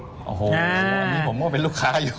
โอ้โหอันนี้ผมก็เป็นลูกค้าอยู่